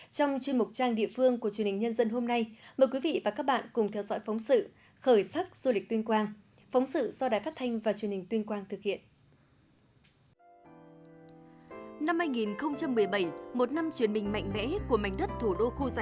trong chuyên mục trang địa phương của truyền hình nhân dân hôm nay mời quý vị và các bạn cùng theo dõi phóng sự khởi sắc du lịch tuyên quang